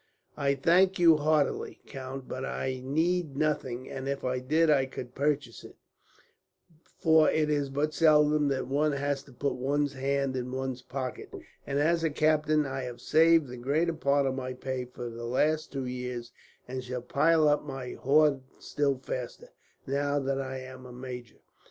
"I thank you heartily, count, but I need nothing; and if I did I could purchase it, for it is but seldom that one has to put one's hand in one's pocket; and as a captain I have saved the greater part of my pay for the last two years, and shall pile up my hoard still faster, now that I am a major.